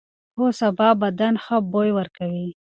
هو، سابه بدن ښه بوی ورکوي.